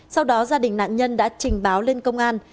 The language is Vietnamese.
sau đó gia đình nạn nhân đã trình báo lên công an